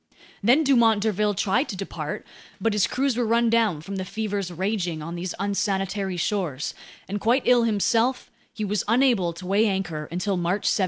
Then Dumont d'Urville tried to depart; but his crews were run down from the fevers raging on these unsanitary shores, and quite ill himself, he was unable to weigh anchor until March 17.